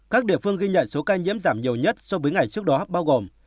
các địa phương ghi nhận số ca nhiễm giảm nhiều nhất so với ngày trước đó bao gồm